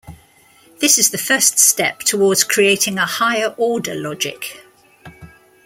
This is the first step towards creating a higher-order logic.